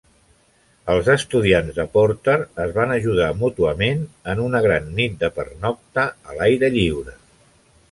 Els estudiants de Porter es van ajudar mútuament en una gran nit de pernocta a l'aire lliure.